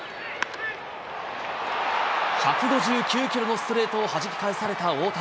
１５９キロのストレートをはじき返された大谷。